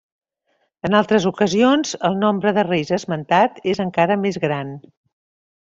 En altres ocasions el nombre de reis esmentat és encara més gran.